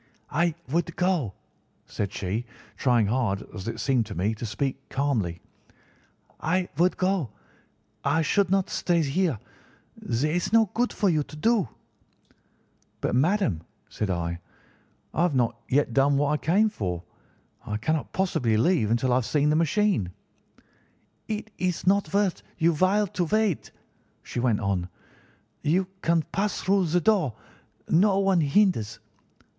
"'I would go,' said she, trying hard, as it seemed to me, to speak calmly; 'I would go. I should not stay here. There is no good for you to do.' "'But, madam,' said I, 'I have not yet done what I came for. I cannot possibly leave until I have seen the machine.' "'It is not worth your while to wait,' she went on. 'You can pass through the door; no one hinders.